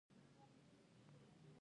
اچین ولسوالۍ غرنۍ ده؟